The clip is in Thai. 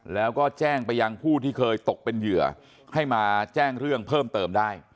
แล้วก็แจ้งไปยังผู้ที่เคยตกเป็นเหยื่อให้มาแจ้งเรื่องเพิ่มเติมได้